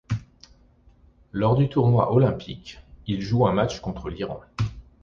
Lors du tournoi olympique, il joue un match contre l'Iran.